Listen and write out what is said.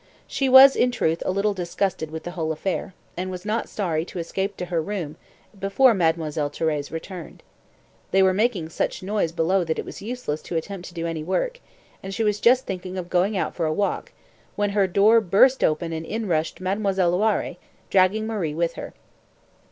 She was, in truth, a little disgusted with the whole affair, and was not sorry to escape to her room before Mademoiselle Thérèse returned. They were making such a noise below that it was useless to attempt to do any work, and she was just thinking of going out for a walk, when her door burst open and in rushed Mademoiselle Loiré, dragging Marie with her.